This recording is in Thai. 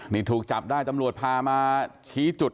นี่ถูกจับได้ตำรวจพามาชี้จุด